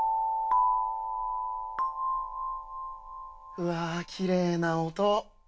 うわきれいなおと。